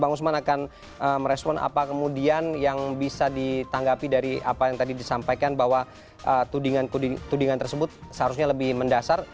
bang usman akan merespon apa kemudian yang bisa ditanggapi dari apa yang tadi disampaikan bahwa tudingan tersebut seharusnya lebih mendasar